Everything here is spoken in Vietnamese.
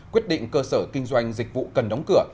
quyết định cơ sở kinh doanh dịch vụ cần đóng cửa